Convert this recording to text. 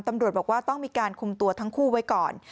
ตำรวจบอกว่าต้องมีการคุมตัวทั้งคู่ไว้ก่อน